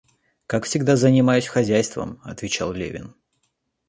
Как всегда, занимаюсь хозяйством, — отвечал Левин.